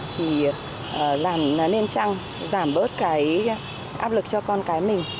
thì làm nên chăng giảm bớt cái áp lực cho con cái mình